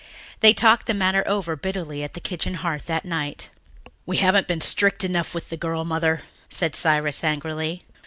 They talked the matter over bitterly at the kitchen hearth that night. "We haven't been strict enough with the girl, Mother," said Cyrus angrily.